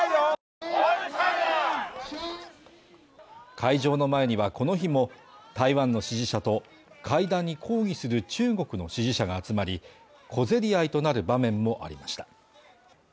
会場の前にはこの日も台湾の支持者と会談に抗議する中国の支持者が集まり、小競り合いとなる場面もありました。